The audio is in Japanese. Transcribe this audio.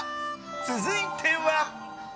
続いては。